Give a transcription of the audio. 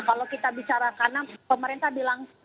kalau kita bicara karena pemerintah bilang